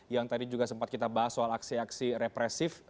yang tadi juga sempat kita bahas soal aksi aksi represif